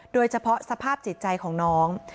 โดยเฉพาะสภาพจิตใจของน้อง